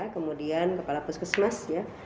kemudian kepala puskesmas